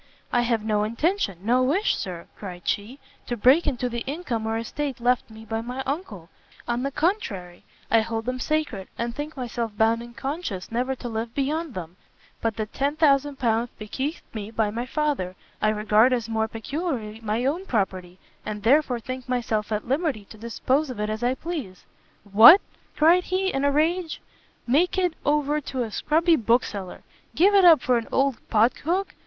"I have no intention, no wish, Sir," cried she, "to break into the income or estate left me by my uncle; on the contrary, I hold them sacred, and think myself bound in conscience never to live beyond them: but the L10,000 bequeathed me by my Father, I regard as more peculiarly my own property, and therefore think myself at liberty to dispose of it as I please." "What," cried he, in a rage, "make it over to a scrubby bookseller! give it up for an old pot hook?